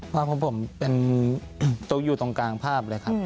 ภาพของผมเป็นตุ๊กอยู่ตรงกลางภาพเลยครับ